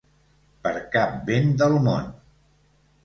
Per cap vent del món.